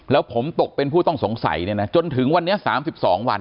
แล้วผมตกเป็นผู้ต้องสงสัยเนี่ยนะจนถึงวันนี้๓๒วัน